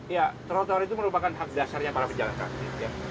ya trotoar itu merupakan hak dasarnya para pejalan kaki